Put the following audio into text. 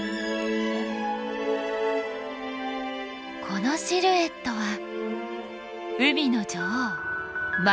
このシルエットは海の女王マンタ。